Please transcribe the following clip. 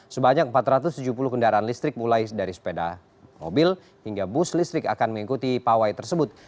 sebanyak empat ratus tujuh puluh kendaraan listrik mulai dari sepeda mobil hingga bus listrik akan mengikuti pawai tersebut